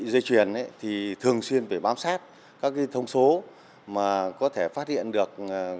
dây chuyền thì thường xuyên phải bám sát các thông số mà có thể phát hiện được